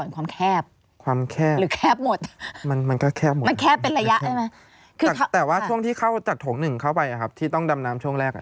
แต่ว่าช่วงที่เข้าจากโถงหนึ่งเข้าไปที่ต้องดำน้ำช่วงแรกอ่ะ